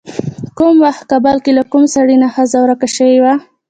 کوم وخت کابل کې له کوم سړي نه ښځه ورکه شوې وه.